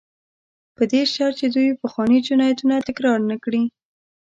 په دې شرط چې دوی پخواني جنایتونه تکرار نه کړي.